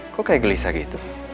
kok kayak gelisah gitu